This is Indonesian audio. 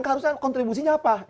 kan harusnya kontribusinya apa